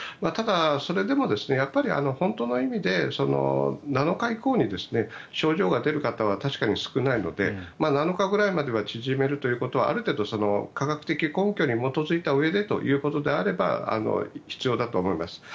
ただ、それでも本当の意味で７日以降に症状が出る方は確かに少ないので７日ぐらいまでは縮めるということはある程度科学的根拠に基づいたうえでということであれば必要だと思います。